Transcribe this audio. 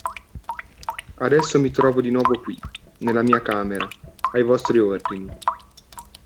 E adesso mi trovo di nuovo qui, nella mia camera, ai vostri ordini.